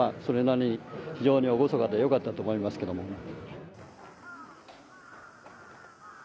それなりに非常に厳かで良かったと思いますけども。